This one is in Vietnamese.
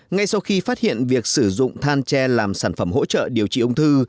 ngay sau khi phát hiện việc sử dụng than tre làm sản phẩm hỗ trợ điều trị ung thư